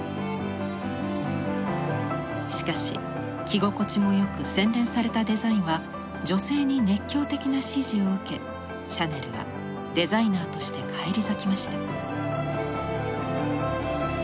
しかし着心地もよく洗練されたデザインは女性に熱狂的な支持を受けシャネルはデザイナーとして返り咲きました。